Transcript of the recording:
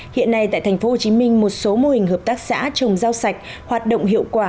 hiện nay tại thành phố hồ chí minh một số mô hình hợp tác xã trồng rau sạch hoạt động hiệu quả